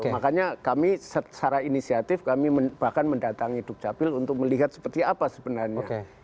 makanya kami secara inisiatif kami bahkan mendatangi dukcapil untuk melihat seperti apa sebenarnya